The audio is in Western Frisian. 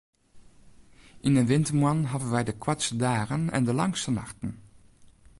Yn 'e wintermoannen hawwe wy de koartste dagen en de langste nachten.